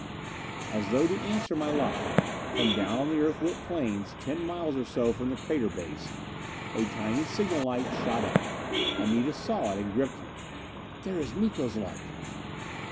_" As though to answer my lie, from down on the Earthlit plains, ten miles or so from the crater base, a tiny signal light shot up. Anita saw it and gripped me. "There is Miko's light!"